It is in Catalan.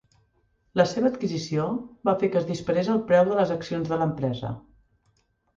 La seva adquisició va fer que es disparés el preu de les accions de l'empresa.